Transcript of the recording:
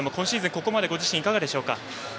ここまでご自身でいかがですか？